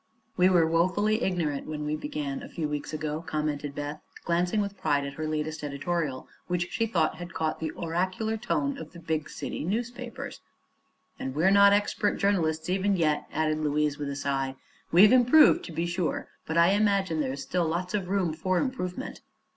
"We were woefully ignorant when we began, a few weeks ago," commented Beth, glancing with pride at her latest editorial, which she thought had caught the oracular tone of the big city newspapers. "And we're not expert journalists, even yet," added Louise, with a sigh. "We've improved, to be sure; but I imagine there is still lots of room for improvement."